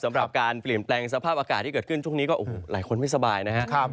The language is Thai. สำหรับการเปลี่ยนแปลงสภาพอากาศที่เกิดขึ้นช่วงนี้ก็โอ้โหหลายคนไม่สบายนะครับ